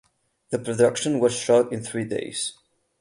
The production was shot in three days.